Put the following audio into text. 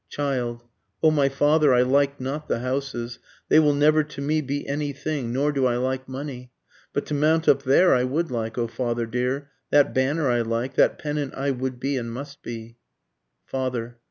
Child. O my father I like not the houses, They will never to me be any thing, nor do I like money, But to mount up there I would like, O father dear, that banner I like, That pennant I would be and must be. _Father.